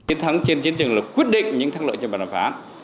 chiến thắng trên chiến trường là quyết định những thắng lợi cho bản đảm phán